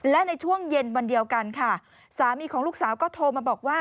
และในช่วงเย็นวันเดียวกันค่ะสามีของลูกสาวก็โทรมาบอกว่า